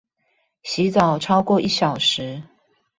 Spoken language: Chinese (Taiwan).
洗澡超過一小時